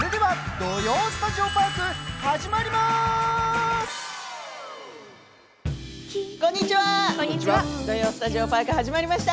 「土曜スタジオパーク」始まりました。